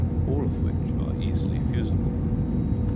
all of which are easily fusible.